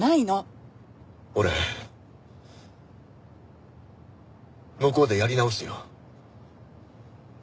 俺向こうでやり直すよ。